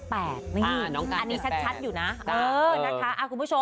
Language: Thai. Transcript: เนี่ยอันนี้ชัดอยู่นะ